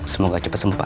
semoga cepat sembuh pak